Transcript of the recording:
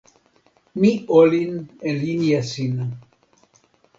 mi olin e linja sina.